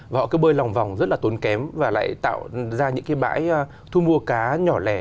và họ cứ bơi lòng vòng rất là tốn kém và lại tạo ra những cái bãi thu mua cá nhỏ lẻ